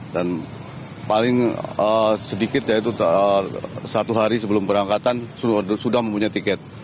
dan paling sedikit yaitu satu hari sebelum keberangkatan sudah mempunyai tiket